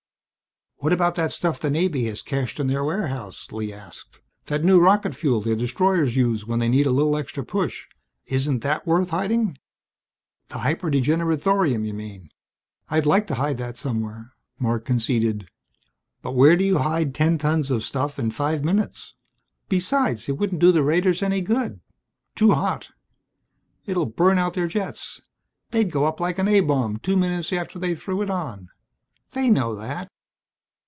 "What about that stuff the Navy has cached in their warehouse?" Lee asked. "That new rocket fuel their destroyers use when they need a little extra push. Isn't that worth hiding?" "The hyper degenerate thorium, you mean? I'd like to hide that somewhere," Marc conceded. "But where do you hide ten tons of stuff in five minutes? Besides, it wouldn't do the raiders any good. Too hot. It'll burn out their jets. They'd go up like an A bomb two minutes after they threw it on. They know that.